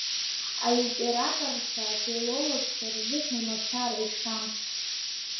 Алитераторцәа, афилологцәа рзыҳәа мацара ишам.